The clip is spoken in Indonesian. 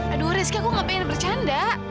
aduh rizky aku gak pengen bercanda